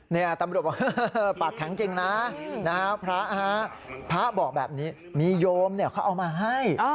เนี่ยตำรวจบอกปากแข็งจริงนะพระฮะพระบอกแบบนี้มีโยมเขาเอามาให้